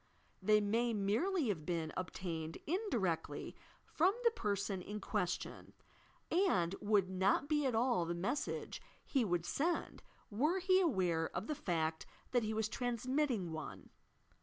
They may merely have been obtained indirectly from the person in question, and would not be at all the message he would send, were he aware of the fact that he was transmitting one.